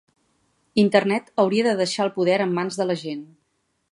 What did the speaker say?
Internet hauria de deixar el poder en mans de la gent.